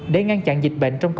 để ngăn chặn dịch bệnh trong tỉnh